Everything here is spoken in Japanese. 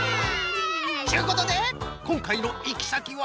ちゅうことでこんかいのいきさきは。